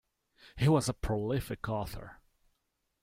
He was a prolific author.